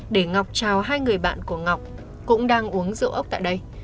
để ngọc chào hai người bạn của ngọc cũng đang uống rượu ốc tại đây